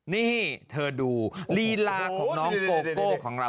นี่เธอดูลีลาของน้องโกโก้ของเรา